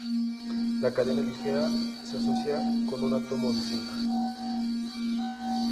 La cadena ligera se asocia con un átomo de zinc.